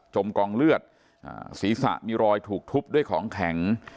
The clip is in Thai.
กองเลือดศีรษะมีรอยถูกทุบด้วยของแข็ง